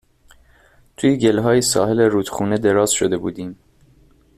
توی گِلهای ساحل رودخونه دراز شده بودیم